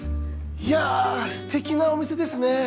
いやあ素敵なお店ですね！